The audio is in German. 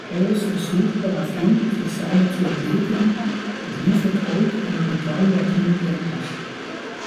Harris versucht daraufhin, sich seiner zu entledigen, und liefert Hoyt einer brutalen Latino-Gang aus.